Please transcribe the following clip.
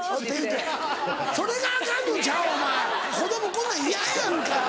子供こんなんイヤやんか。